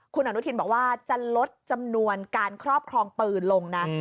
คุณอนุทินบอกว่าจะลดจำนวนการครอบครองปืนลงนะ